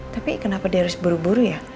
tapi kenapa dia harus buru buru ya